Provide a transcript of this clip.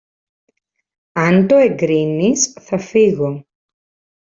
αν το εγκρίνεις, θα φύγω.